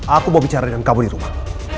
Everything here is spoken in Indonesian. aku mau bicara dengan kamu di rumah